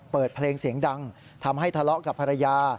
เปิดเพลงเสียงดังทำให้ทะเลาะกับภรรยา